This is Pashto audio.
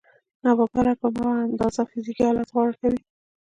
ناببره په هماغه اندازه فزيکي حالت غوره کوي.